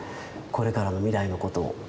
これからの未来のことを。